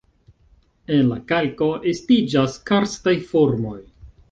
En la kalko estiĝas karstaj formoj.